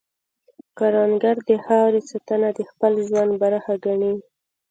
کروندګر د خاورې ساتنه د خپل ژوند برخه ګڼي